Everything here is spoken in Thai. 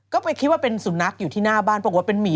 ก็ไปคิดว่าเป็นสุนัขอยู่ที่หน้าบ้านปรากฏว่าเป็นหมี